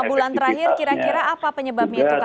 lima bulan terakhir kira kira apa penyebabnya itu kang saan